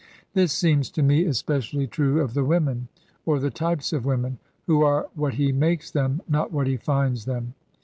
This seems to me especially true of the women, or the types of women, who are what he makes them, not what he finds them.